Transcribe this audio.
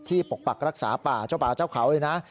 ปกปักรักษาป่าเจ้าป่าเจ้าเขาเลยนะ